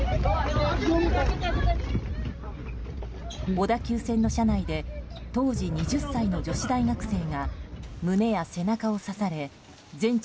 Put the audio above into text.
小田急線の車内で当時２０歳の女子大学生が胸や背中を刺され全治